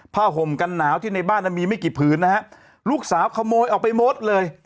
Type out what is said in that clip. ห่มกันหนาวที่ในบ้านมีไม่กี่ผืนนะฮะลูกสาวขโมยออกไปหมดเลย